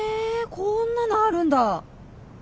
こんなのあるんだ。